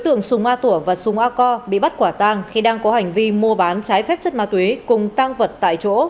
tượng sùng ma tủa và sùng a co bị bắt quả tang khi đang có hành vi mua bán trái khép chất ma túy cùng tang vật tại chỗ